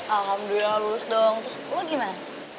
alhamdulillah lulus dong terus lo gimana